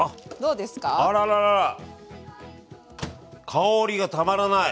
香りがたまらない。